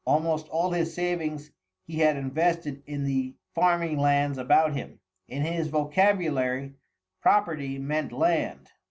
Almost all his savings he had invested in the farming lands about him. In his vocabulary, property meant land.